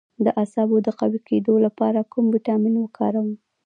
د اعصابو د قوي کیدو لپاره کوم ویټامین وکاروم؟